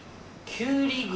きゅうり串？